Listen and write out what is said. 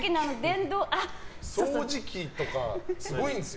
掃除機とか、すごいんですよ